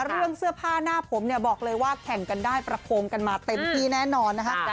เรื่องเสื้อผ้าหน้าผมเนี่ยบอกเลยว่าแข่งกันได้ประโคมกันมาเต็มที่แน่นอนนะคะ